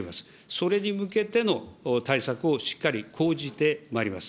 それに向けての対策をしっかり講じてまいります。